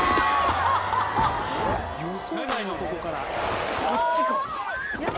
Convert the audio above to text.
予想外の所から。